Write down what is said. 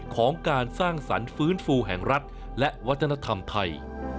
ของการสร้างสรรค์ฟื้นฟูแห่งรัฐและวัฒนธรรมไทย